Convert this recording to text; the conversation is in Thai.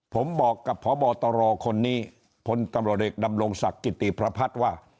ผมบอกกับพบตรคนนี้พตดดำลงศักดิ์กิติพระพัฒน์ว่า